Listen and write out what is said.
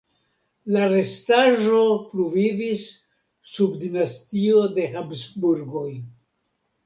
La restaĵo pluvivis sub dinastio de Habsburgoj.